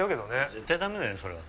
絶対ダメだよそれは。